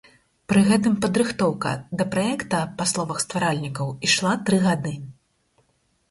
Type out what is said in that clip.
Пры гэтым падрыхтоўка да праекта па словах стваральнікаў ішла тры гады.